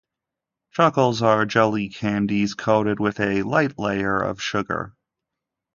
Chuckles are jelly candies coated with a light layer of sugar.